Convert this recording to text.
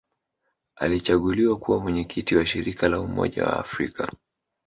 Alichaguliwa kuwa Mwenyekiti wa Shirika la Umoja wa Afrika